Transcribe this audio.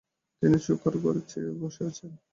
তিনি শোকার ঘরে চেয়ারে বসে ছিলেন।